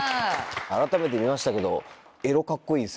改めて見ましたけど。